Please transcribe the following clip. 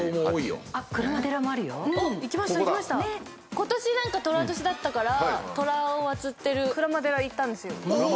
今年寅年だったから寅を祭ってる鞍馬寺行ったんですよ。